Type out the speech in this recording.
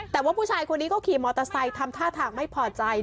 แต่ว่าผู้ชายคนนี้ก็ขี่มอเตอร์ไซค์ทำท่าทางไม่พอใจ